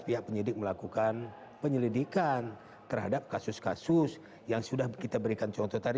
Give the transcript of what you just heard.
pihak penyidik melakukan penyelidikan terhadap kasus kasus yang sudah kita berikan contoh tadi